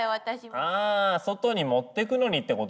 あ外に持ってくのにってことですね。